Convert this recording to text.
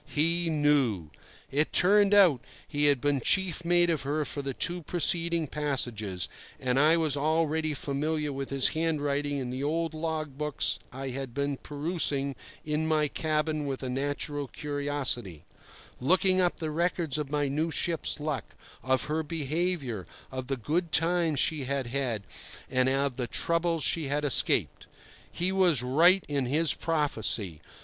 He knew. It turned out he had been chief mate of her for the two preceding voyages; and I was already familiar with his handwriting in the old log books I had been perusing in my cabin with a natural curiosity, looking up the records of my new ship's luck, of her behaviour, of the good times she had had, and of the troubles she had escaped. He was right in his prophecy.